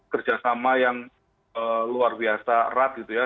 kerjasama yang luar biasa erat gitu ya